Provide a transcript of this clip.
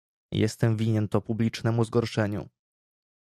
"Jestem winien to publicznemu zgorszeniu."